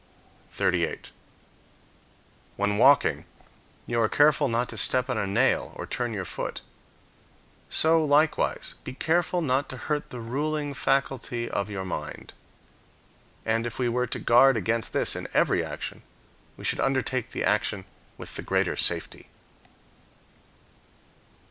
38. When walking, you are careful not to step on a nail or turn your foot; so likewise be careful not to hurt the ruling faculty of your mind. And, if we were to guard against this in every action, we should undertake the action with the greater safety.